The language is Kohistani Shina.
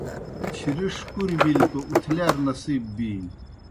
چِھرِݜ کُریْ بِلیْ توْ اُتھلِیار نصیب بِینیْ